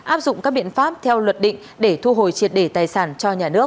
áp dụng các biện pháp theo luật định để thu hồi triệt đề tài sản cho nhà nước